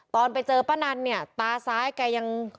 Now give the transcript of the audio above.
ตอนไปเจอป้านันเนี่ยตาซ้ายแกยัง